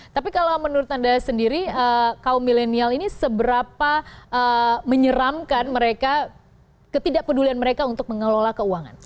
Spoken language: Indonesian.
tapi kalau menurut anda sendiri kaum milenial ini seberapa menyeramkan mereka ketidakpedulian mereka untuk mengelola keuangan